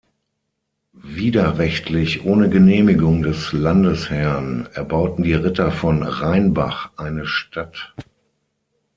Widerrechtlich ohne Genehmigung des Landesherrn erbauten die Ritter von Rheinbach eine Stadt.